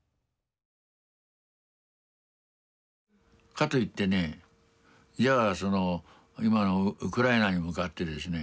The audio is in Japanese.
かといってねじゃあその今のウクライナに向かってですね